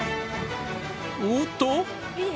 おっと？